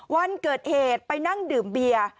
วันเกิดเหตุไปนั่งดื่มเบียร์